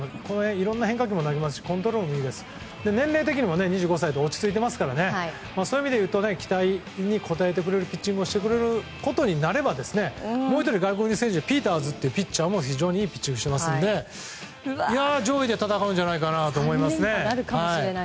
いろいろな変化球も投げてコントロールもいいですし年齢も２５歳で落ち着いていますからそういう意味でいうと期待に応えてくれるピッチングをしてくれることになればもう１人外国人選手ピーターズも非常にいいピッチングしてますので上位で戦うんじゃないかと思うんですね。